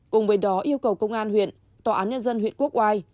cùng với đó yêu cầu công an huyện tòa án nhân dân huyện quốc oai